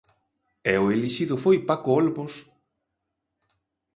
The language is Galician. E o elixido foi Paco Olmos...